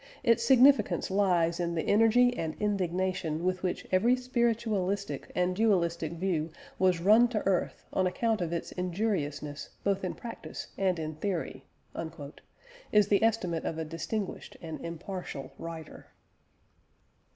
Its significance lies in the energy and indignation with which every spiritualistic and dualistic view was run to earth on account of its injuriousness both in practice and in theory," is the estimate of a distinguished and impartial writer.